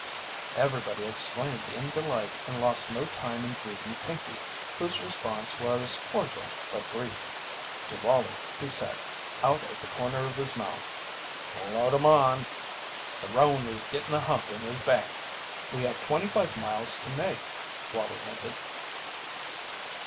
Everybody exclaimed in delight and lost no time in greeting Pinkey, whose response was cordial but brief. To Wallie he said, out of the corner of his mouth: "Load 'em on. The roan is gittin' a hump in his back." "We have twenty five miles to make," Wallie hinted.